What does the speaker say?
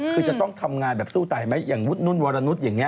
คือจะต้องทำงานแบบสู้ไตอย่างวุฒินุ่นวรรณุษย์อย่างนี้